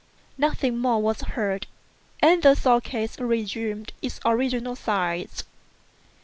Nothing more was heard, and the sword case resumed its original size.